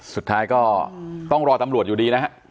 สุดท้ายก็ต้องรอตำรวจอยู่ดีนะฮะ